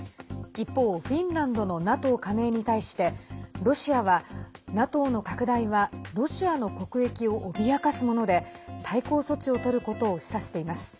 一方、フィンランドのＮＡＴＯ加盟に対してロシアはＮＡＴＯの拡大はロシアの国益を脅かすもので対抗措置をとることを示唆しています。